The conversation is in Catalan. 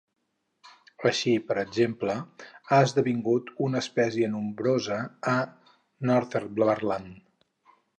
Així, per exemple, ha esdevingut una espècie nombrosa a Northumberland.